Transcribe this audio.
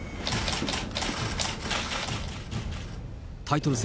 タイトル戦